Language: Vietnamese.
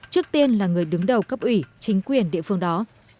trước tiên là người đứng đầu cấp ủy chính quyền địa phương đó